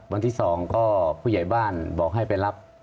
วันที่๒ก็ผู้ใหญ่บ้านบอกให้ไปรับ